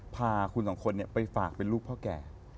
พาคุณสองคนไปฝากเป็นลูกพ่อแก่